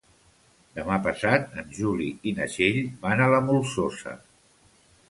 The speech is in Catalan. Demà passat en Juli i na Txell van a la Molsosa.